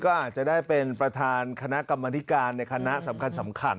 ก็อาจจะได้เป็นประธานคณะกรรมธิการในคณะสำคัญ